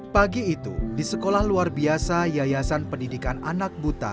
pagi itu di sekolah luar biasa yayasan pendidikan anak buta